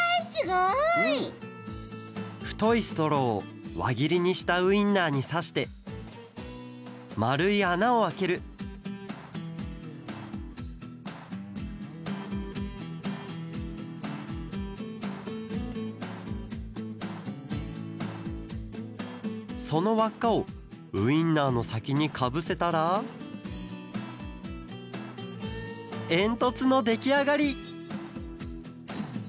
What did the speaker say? ふといストローをわぎりにしたウインナーにさしてまるいあなをあけるそのわっかをウインナーのさきにかぶせたらえんとつのできあがり！